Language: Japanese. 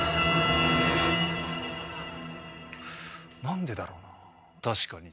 なんでだろうな。